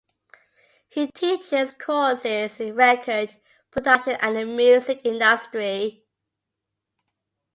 He teaches courses in record production and the music industry.